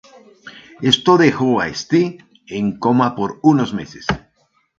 Esto dejó a Ste en coma por unos meses.